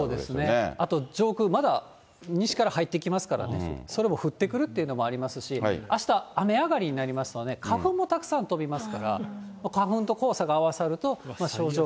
上空まだ西から入ってきますからね、それも降ってくるというのもありますし、あした、雨上がりになりますので、花粉もたくさん飛びますから、花粉と黄砂が合わさると症状が。